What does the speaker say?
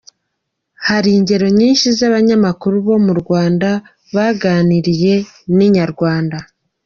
Hari ingero nyinshi z’abanyamakuru bo mu Rwanda baganiriye na Inyarwanda.